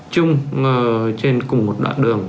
chung trên cùng một đoạn đường